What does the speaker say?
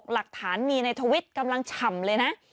หลักฐานมีในทวิตกำลังฉ่ำเลยนะ